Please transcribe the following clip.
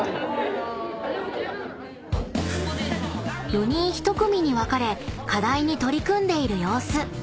［４人１組に分かれ課題に取り組んでいる様子］